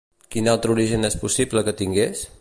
Quin altre origen és possible que tingués?